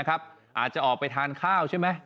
อาจจะออกไปทานข้าวใช่ไหม